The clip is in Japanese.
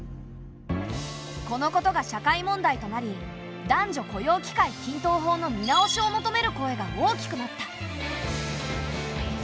このことが社会問題となり男女雇用機会均等法の見直しを求める声が大きくなった。